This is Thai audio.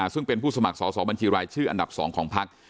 ซึ่งเป็นผู้สมัครสอบบัญชีรายชื่ออันดับ๒ของพัก